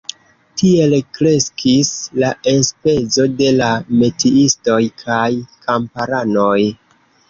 Tiel kreskis la enspezo de la metiistoj kaj kamparanoj.